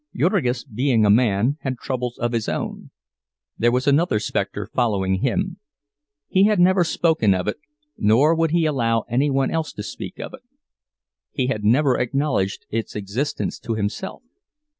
Jurgis, being a man, had troubles of his own. There was another specter following him. He had never spoken of it, nor would he allow any one else to speak of it—he had never acknowledged its existence to himself.